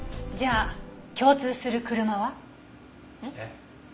じゃあ共通する車は？えっ？